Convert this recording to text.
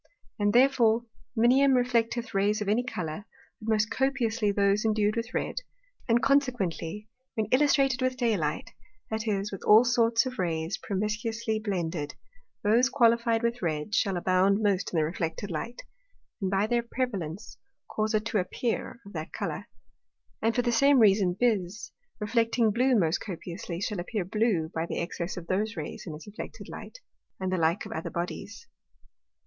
And therefore Minium reflecteth Rays of any Colour, but most copiously those endu'd with red, and consequently when illustrated with day light, that is, with all sorts of Rays promiscuously blended, those qualified with red, shall abound most in the reflected Light, and by their prevalence cause it to appear of that Colour. And for the same reason Bise, reflecting blue most copiously, shall appear blue by the excess of those Rays in its reflected Light; and the like of other Bodies.